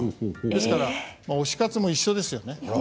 ですから推し活も一緒ですよね。